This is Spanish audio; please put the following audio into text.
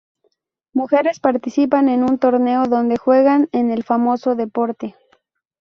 Mujeres participan en un torneo donde juegan en el famoso deporte.